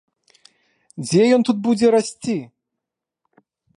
Дзе ён тут будзе расці?!